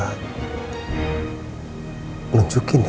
aku mau menunjukin ya